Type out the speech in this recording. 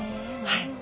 はい。